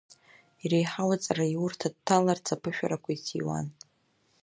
Иреиҳау аҵараиурҭа дҭаларц аԥышәарақәа иҭиуан.